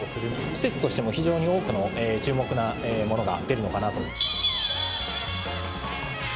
施設としても非常に多くの注目なものが出るのかなと。